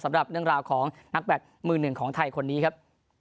สำหรับเรื่องราวของนักแบตมือหนึ่งของไทยคนนี้ครับ